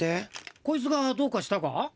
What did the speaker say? こいつがどうかしたか？